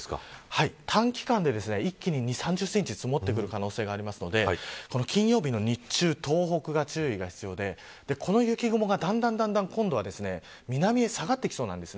短期間で一気に２０３０センチ積もる可能性があるので金曜日の日中東北、注意が必要でこの雪雲が、だんだん今度は南へ下がってきそうなんです。